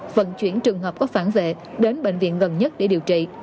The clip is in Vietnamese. vận chuyển trường hợp có phản vệ đến bệnh viện gần nhất để điều trị